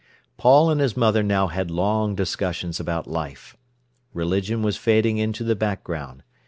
Paul and his mother now had long discussions about life. Religion was fading into the background.